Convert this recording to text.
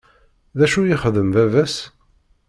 D acu ixeddem baba-s?